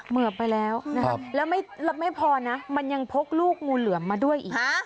เหมือบไปแล้วนะครับแล้วไม่พอนะมันยังพกลูกงูเหลือมมาด้วยอีก